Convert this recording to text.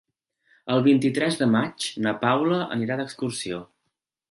El vint-i-tres de maig na Paula anirà d'excursió.